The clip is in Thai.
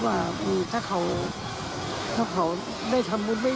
ว่าถ้าเขาเจอสภาพนั้น